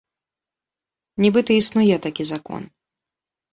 Нібыта існуе такі закон.